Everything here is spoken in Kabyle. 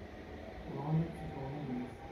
Bɣan ad d-suffɣen adlis.